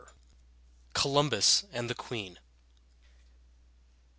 IX. COLUMBUS AND THE QUEEN.